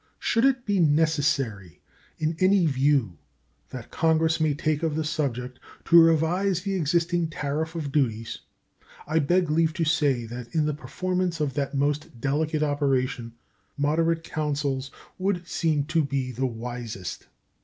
Should it be necessary, in any view that Congress may take of the subject, to revise the existing tariff of duties, I beg leave to say that in the performance of that most delicate operation moderate counsels would seem to be the wisest.